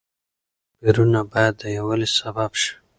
توپيرونه بايد د يووالي سبب شي.